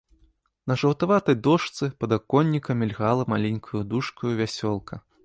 На жаўтаватай дошцы падаконніка мільгала маленькаю дужкаю вясёлка.